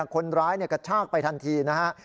คนร้ายกระชากไปทันทีนะฮะ